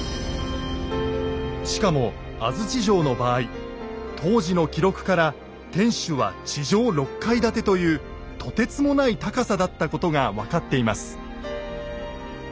しかも安土城の場合当時の記録から天主は地上６階建てというとてつもない高さだったことが分かっています。